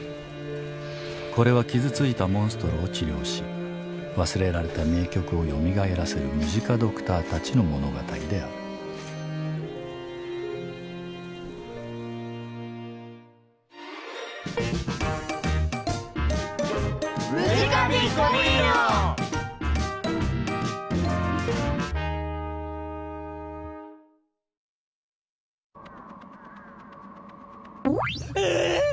これは傷ついたモンストロを治療し忘れられた名曲をよみがえらせるムジカドクターたちの物語であるえぇっ！